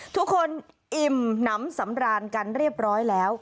ทุกคนอิ่มน้ำสำราญกันเรียบร้อยแล้ว